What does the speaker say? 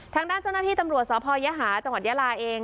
ทางด้านเจ้าหน้าที่ตำรวจสพยหาจังหวัดยาลาเอง